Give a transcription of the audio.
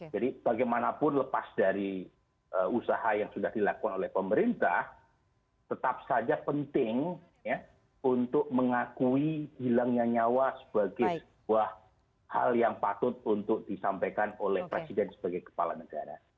jadi bagaimanapun lepas dari usaha yang sudah dilakukan oleh pemerintah tetap saja penting untuk mengakui hilangnya nyawa sebagai sebuah hal yang patut untuk disampaikan oleh presiden sebagai kepala negara